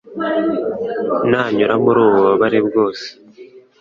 nanyura muri ubu bubabare bwose